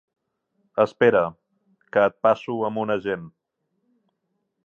Espera, que et passo amb un agent.